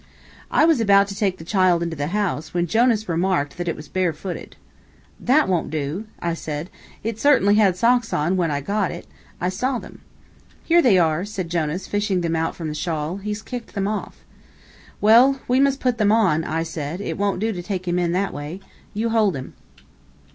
I was about to take the child into the house, when Jonas remarked that it was barefooted. "That won't do," I said. "It certainly had socks on, when I got it. I saw them." "Here they are," said Jonas, fishing them out from the shawl, "he's kicked them off." "Well, we must put them on," I said, "it won't do to take him in, that way. You hold him."